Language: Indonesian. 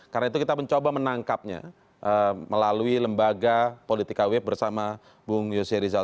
karena itu kita mencoba menangkapnya melalui lembaga politika web bersama bung yose rizal